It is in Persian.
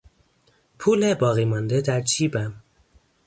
پول باقیمانده در جیبم